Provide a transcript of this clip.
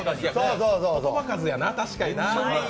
言葉数やな、確かに。